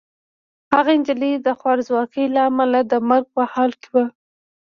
هغه نجلۍ د خوارځواکۍ له امله د مرګ په حال کې وه.